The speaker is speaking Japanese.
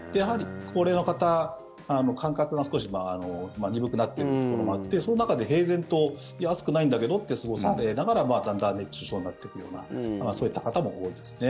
高齢の方、感覚が少し鈍くなってるところもあってその中で平然といや、暑くないんだけどって過ごされながらだんだん熱中症になっていくようなそういった方も多いですね。